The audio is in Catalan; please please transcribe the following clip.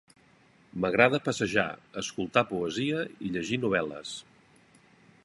M'agrada passejar, escoltar poesia i llegir novel·les.